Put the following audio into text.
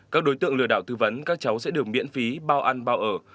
các đối tượng lửa đảo thư vấn các cháu sẽ được miễn phí bao ăn bao ở